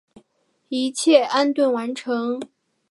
一切安顿完成